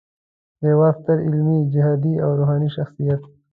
د هیواد ستر علمي، جهادي او روحاني شخصیت